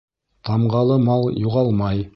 Тамғалы мал юғалмай.